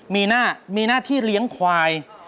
มีหน้ามีหน้าที่เลี้ยงควาย